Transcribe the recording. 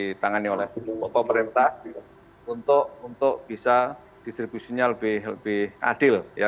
yang di tangani oleh pemerintah untuk bisa distribusinya lebih adil